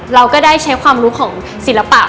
เราก็ได้ใช้ความรู้ของศิลปะ